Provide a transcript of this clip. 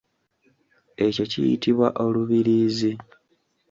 Ekyo kiyitibwa olubiriizi.